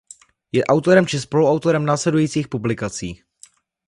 Je autorem či spoluautorem následujících publikací.